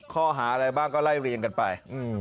ข้อหาอะไรบ้างก็ไล่เรียงกันไป